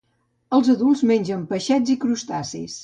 Els adults mengen peixets i crustacis.